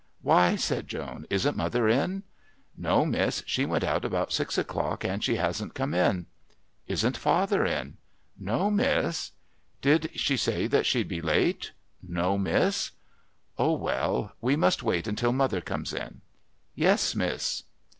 "Why," said Joan, "isn't mother in?" "No, miss, she went out about six o'clock and she hasn't come in." "Isn't father in?" "No, miss." "Did she say that she'd be late?" "No, miss." "Oh, well we must wait until mother comes in." "Yes, miss."